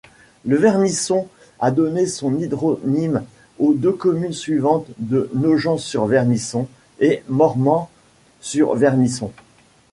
Le Vernisson a donné son hydronyme aux deux communes suivantes de Nogent-sur-Vernisson et Mormant-sur-Vernisson.